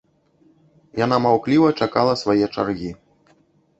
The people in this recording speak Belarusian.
Яна маўкліва чакала свае чаргі.